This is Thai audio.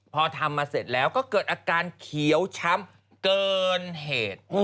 พอทำมาเสร็จแล้วก็เกิดอาการเขียวช้ำเกินเหตุ